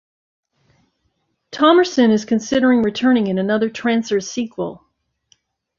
Thomerson is considering returning in another "Trancers" sequel.